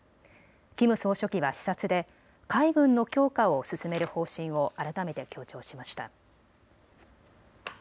キム総書記は視察で海軍の強化を進める方針を改めて強調しました。